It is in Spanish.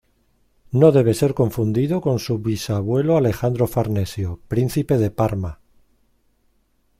No debe ser confundido con su bisabuelo Alejandro Farnesio, príncipe de Parma.